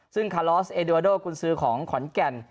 ซึ่งคาลอสเอโดวาโดกุญซื้อของขอนแก่น